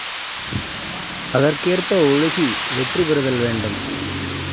அதற்கேற்ப ஒழுகி வெற்றி பெறுதல் வேண்டும்.